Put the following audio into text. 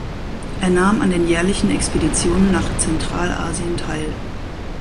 Er nahm an den jährlichen Expeditionen nach Zentralasien teil.